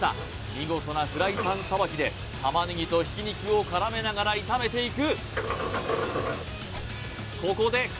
見事なフライパンさばきで玉ねぎとひき肉を絡めながら炒めていく